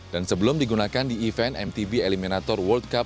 dan sebelum digunakan di event mtb eliminator